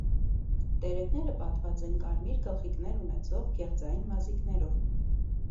Տերևները պատված են կարմիր գլխիկներ ունեցող գեղձային մազիկներով։